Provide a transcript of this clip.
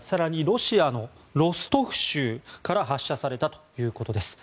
ロシアのロストフ州から発射されたということです。